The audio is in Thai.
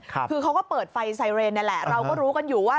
คือเขาก็เปิดไฟไซเรนนี่แหละเราก็รู้กันอยู่ว่า